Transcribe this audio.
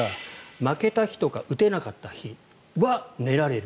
負けた日とか打てなかった日は寝られる。